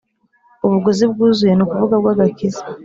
Ubuguzi bwuzuye ni ukuvuga bw'agakiza,